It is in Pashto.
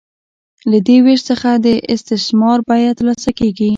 له دې وېش څخه د استثمار بیه ترلاسه کېږي